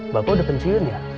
bapak udah pensiun ya